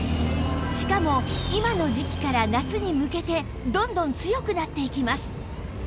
しかも今の時期から夏に向けてどんどん強くなっていきます